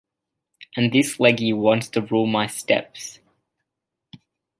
And this Leggy wants to rule my steps!